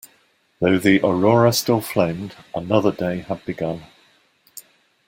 Though the aurora still flamed, another day had begun.